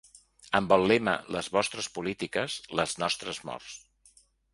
Amb el lema Les vostres polítiques, les nostres morts.